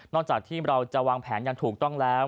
จากที่เราจะวางแผนอย่างถูกต้องแล้ว